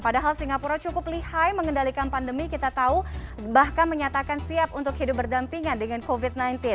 padahal singapura cukup lihai mengendalikan pandemi kita tahu bahkan menyatakan siap untuk hidup berdampingan dengan covid sembilan belas